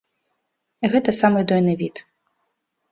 Гэта самы дойны від.